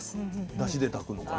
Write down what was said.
だしで炊くのかな？